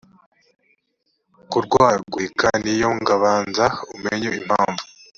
kurwaragurika ni yo ngabanza umenye impamvu